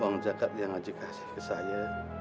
uang jakat yang ngaji kasih ke saya